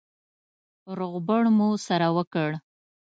روغبړ مو سره وکړ.